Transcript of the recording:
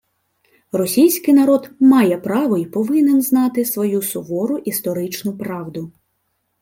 Російський народ має право й повинен знати свою сувору історичну правду